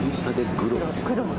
クロス。